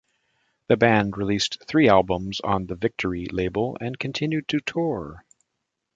The band released three albums on the Victory label and continued to tour.